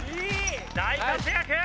大活躍！